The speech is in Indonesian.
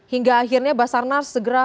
hingga akhirnya basarnas segera